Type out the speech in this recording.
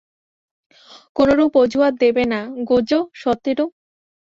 কোনোরুপ অজুহাত দেবে না, গোজো সাতোরু।